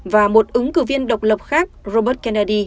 và một ứng cử viên độc lập khác robert kennedy